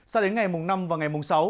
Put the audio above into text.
sao đến ngày mùng năm và ngày mùng sáu